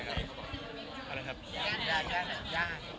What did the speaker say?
ย่านย่านย่านย่าน